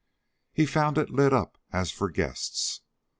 He found it lit up as for guests.